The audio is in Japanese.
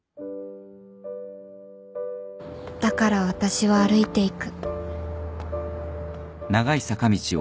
だから私は歩いていく